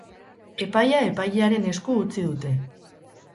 Epaia epailearen esku utzi dute.